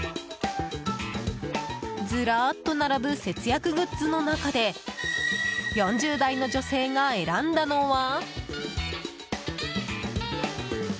ずらっと並ぶ節約グッズの中で４０代の女性が選んだのは？